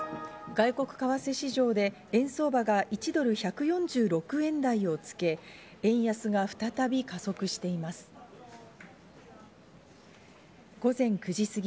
外国為替市場で円相場が一時、１ドル＝１４６円台をつけ、円安が再び加速しています。